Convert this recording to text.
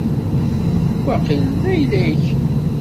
Waqil d ayla-k.